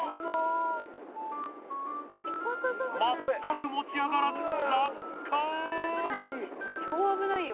まったく持ち上がらず落下！